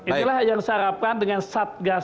itulah yang saya harapkan dengan satgas